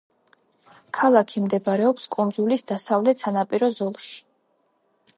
ქალაქი მდებარეობს კუნძულის დასავლეთ სანაპირო ზოლში.